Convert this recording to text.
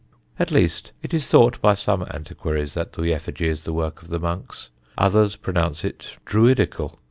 At least, it is thought by some antiquaries that the effigy is the work of the monks; others pronounce it druidical.